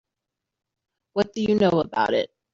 What do you know about it?